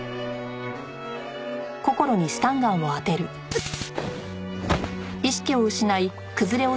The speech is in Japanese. うっ！